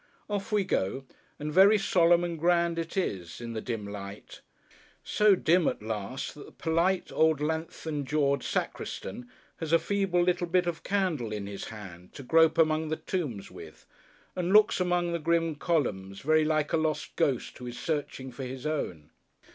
Off we go; and very solemn and grand it is, in the dim light: so dim at last, that the polite, old, lanthorn jawed Sacristan has a feeble little bit of candle in his hand, to grope among the tombs with—and looks among the grim columns, very like a lost ghost who is searching for his own.